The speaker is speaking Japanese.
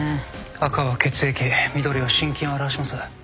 赤は血液緑は心筋を表します。